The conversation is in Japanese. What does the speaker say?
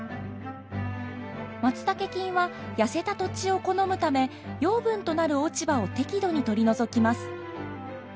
マツタケ菌は痩せた土地を好むため養分となる落ち葉を適度に取り除きます。